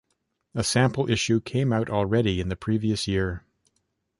A sample issue came out already in the previous year.